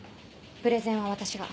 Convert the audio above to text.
プレゼンは私が。